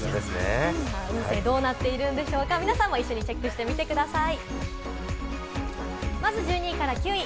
どうなっているんでしょうか、皆さんも一緒にチェックしてみてください。